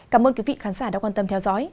cảm ơn quý vị khán giả đã quan tâm theo dõi